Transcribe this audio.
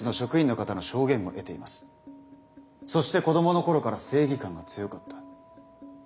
そして子供の頃から正義感が強かった。